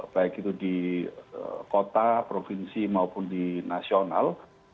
baik itu di kota provinsi maupun di nasional